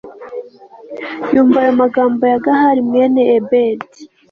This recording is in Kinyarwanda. yumva ayo magambo ya gahali mwene ebedi